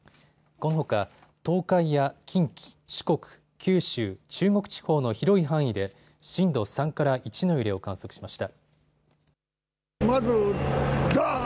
このほか東海や近畿、四国、九州、中国地方の広い範囲で震度３から１の揺れを観測しました。